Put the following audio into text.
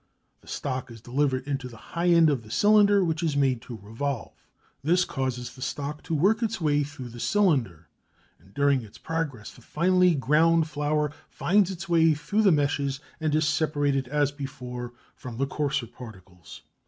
The stock is delivered into the higher end of this cylinder which is made to revolve. This causes the stock to work its way through the cylinder, and during its progress the finely ground flour finds its way through the meshes, and is separated as before from the coarser particles.